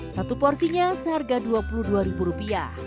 satu porsinya seharga rp dua puluh dua